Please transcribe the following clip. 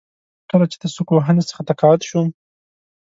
کله چې د سوک وهنې څخه تقاعد شوم.